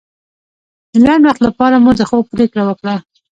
د لنډ وخت لپاره مو د خوب پرېکړه وکړه.